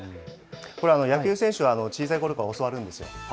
これ、野球選手は小さいころから教わるんですよ。